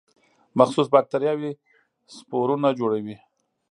مخصوص باکتریاوې سپورونه جوړوي.